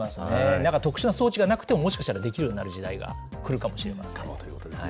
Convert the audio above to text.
なんか特殊な装置がなくてももしかしたらできるようになる時代がかもということですね。